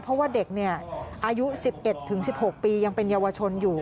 เพราะว่าเด็กอายุ๑๑๑๖ปียังเป็นเยาวชนอยู่